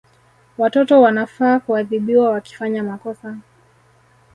Watoto wanafaa kuadhibiwa wakifanya makosa